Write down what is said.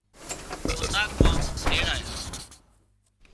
اوطاق مان تيڙايا